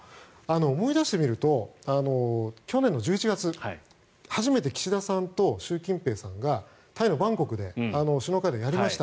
思い出してみると去年１１月初めて岸田さんと習近平さんがタイのバンコクで首脳会談をやりました。